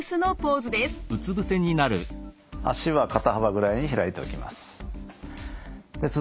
脚は肩幅ぐらいに開いておきます。